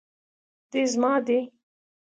دوی زما دي